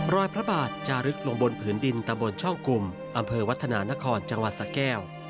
พระบาทจารึกลงบนผืนดินตำบลช่องกลุ่มอำเภอวัฒนานครจังหวัดสะแก้ว